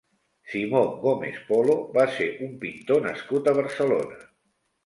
Simó Gómez Polo va ser un pintor nascut a Barcelona.